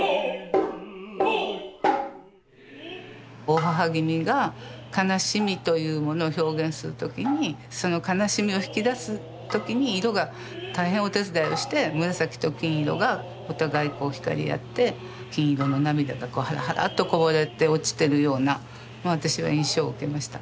大妣君が悲しみというものを表現する時にその悲しみを引き出す時に色が大変お手伝いをして紫と金色がお互い光り合って金色の涙がはらはらとこぼれて落ちてるような私は印象を受けました。